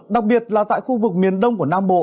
đặc biệt là tại khu vực miền đông của nam bộ